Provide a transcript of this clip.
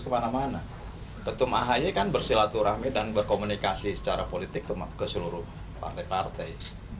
ketua mahaye kan bersilaturahmi dan berkomunikasi secara politik ke seluruh partai partai